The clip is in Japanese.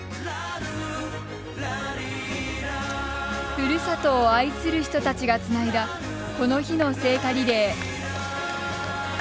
ふるさとを愛する人たちがつないだ、この日の聖火リレー。